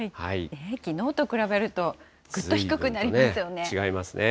きのうと比べると、ぐっと低くなりますよね。